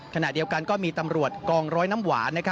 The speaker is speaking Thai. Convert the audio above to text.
ขณะเดียวกันก็มีตำรวจกองร้อยน้ำหวาน